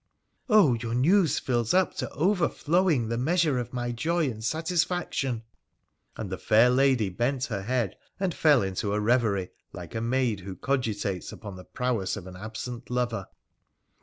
Oh ! your news fills up to overflowing the measure of my joy and satisfac tion 1 ' And the fair lady bent her head and fell into a reverie, like a maid who cogitates upon the prowess of an absent lover.